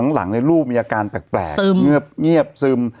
หลังลูกมีอาการแปลกเงียบซึม